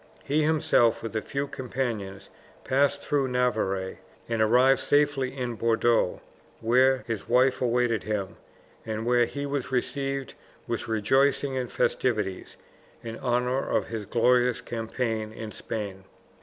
He himself with a few companions passed through Navarre, and arrived safely in Bordeaux, where his wife awaited him, and where he was received with rejoicings and festivities in honour of his glorious campaign in Spain.